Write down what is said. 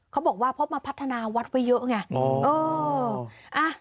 เขาบอกว่าเพราะมาพัฒนาวัดไว้เยอะไง